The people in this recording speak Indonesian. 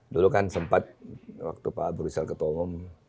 dulu kan sempat waktu pak broussel ketemu